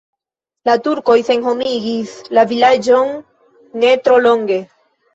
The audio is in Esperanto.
La turkoj senhomigis la vilaĝon ne tro longe.